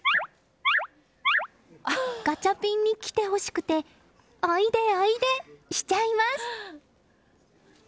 ガチャピンに来てほしくておいでおいでしちゃいます！